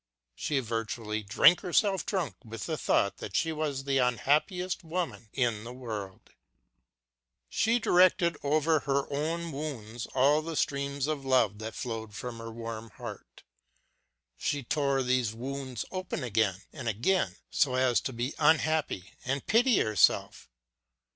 She virtually drank herself drunk with the thought that she was the unhappiest woman in the world. She directed over her own wounds all the streams of love that flowed from her warm heart. She tore these wounds open again and again so as to be unhappy and pity herself.